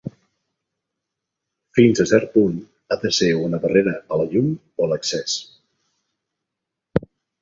Fins a cert punt, ha de ser una barrera a la llum o l'accés.